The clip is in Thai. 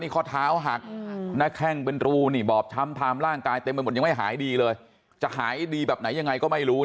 ขอเท้าหักน่าแค่งเป็นรูนิบอบทำทำร่างกายเต็มเต็มหมดไม่หายดีเลยจะหายดีแบบไหนยังไงก็ไม่รู้